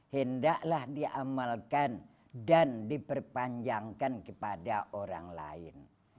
hendaklah diamalkan dan diperpanjangkan kepada orang lain